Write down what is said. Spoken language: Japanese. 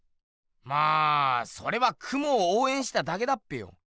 まあそれはクモをおうえんしただけだっぺよ。